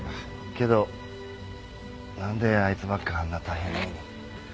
けど何であいつばっかあんな大変な目に。